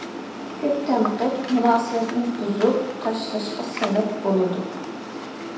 كۆپ تەنقىد مۇناسىۋەتنى بۇزۇپ تاشلاشقا سەۋەب بولىدۇ.